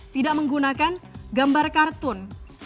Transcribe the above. tidak menggunakan gambar kartun